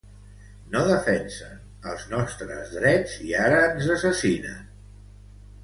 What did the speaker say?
No defensen els nostres drets, i ara ens assassinen.